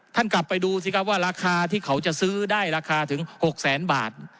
กลับไปดูสิครับว่าราคาที่เขาจะซื้อได้ราคาถึง๖แสนบาท